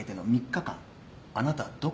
３日間！？